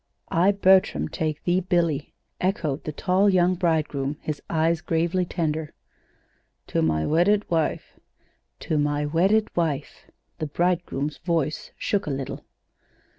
"'I, Bertram, take thee, Billy,'" echoed the tall young bridegroom, his eyes gravely tender. "To my wedded wife." "'To my wedded wife.'" The bridegroom's voice shook a little.